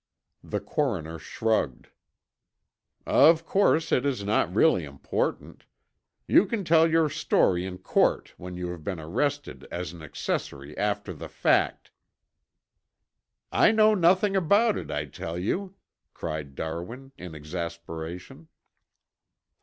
The coroner shrugged. "Of course it is not really important. You can tell your story in court when you have been arrested as an accessory after the fact." "I know nothing about it, I tell you!" cried Darwin in exasperation.